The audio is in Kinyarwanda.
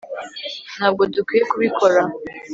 ntabwo dukwiye kubikora